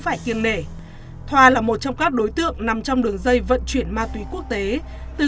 phải kiêng nể thoa là một trong các đối tượng nằm trong đường dây vận chuyển ma túy quốc tế từ